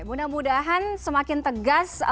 mudah mudahan semakin tegas